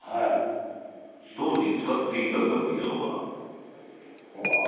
当時使っていた楽屋は。